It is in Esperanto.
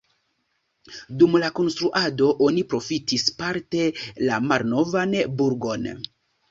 Dum la konstruado oni profitis parte la malnovan burgon.